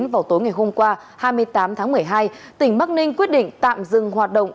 vào tối ngày hôm qua hai mươi tám tháng một mươi hai tỉnh bắc ninh quyết định tạm dừng hoạt động